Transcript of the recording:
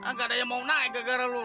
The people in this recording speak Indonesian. nggak ada yang mau naik ke gara lu